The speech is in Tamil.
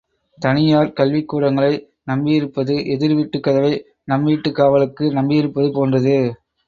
தனியார் கல்விக்கூடங்களையே நம்பியிருப்பது, எதிர் வீட்டுக் கதவை, நம் வீட்டுக் காவலுக்கு நம்பியிருப்பது போன்றது.